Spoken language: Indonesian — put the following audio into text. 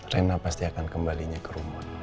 rena pasti akan kembalinya ke rumah